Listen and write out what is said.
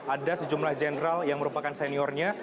ada sejumlah jenderal yang merupakan seniornya